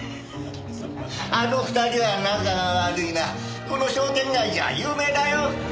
あの２人が仲が悪いのはこの商店街じゃ有名だよ。